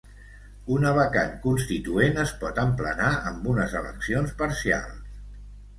Una vacant constituent es pot emplenar amb unes eleccions parcials.